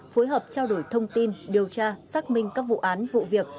phối hợp trao đổi thông tin điều tra xác minh các vụ án vụ việc